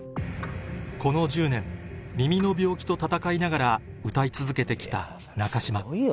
この１０年耳の病気と闘いながら歌い続けて来た中島